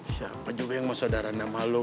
siapa juga yang mau saudara sama lo